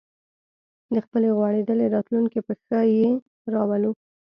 د خپلې غوړېدلې راتلونکې په ښه یې راولو